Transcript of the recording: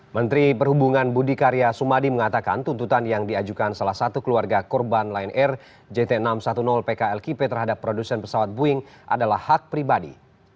menteri perhubungan budi karya sumadi mengatakan tuntutan yang diajukan salah satu keluarga korban lion air jt enam ratus sepuluh pklkp terhadap produsen pesawat boeing adalah hak pribadi